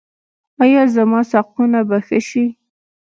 ایا زما ساقونه به ښه شي؟